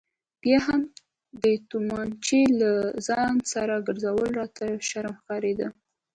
بیا هم د تومانچې له ځانه سره ګرځول راته شرم ښکارېده.